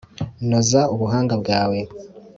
Noza ubuhanga bwawe